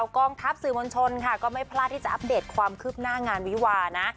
กองทัพสื่อมวลชนค่ะก็ไม่พลาดที่จะอัปเดตความคืบหน้างานวิวานะ